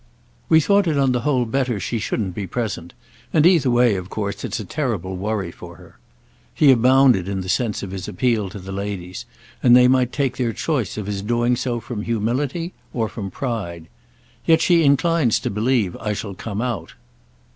"We thought it on the whole better she shouldn't be present; and either way of course it's a terrible worry for her." He abounded in the sense of his appeal to the ladies, and they might take their choice of his doing so from humility or from pride. "Yet she inclines to believe I shall come out."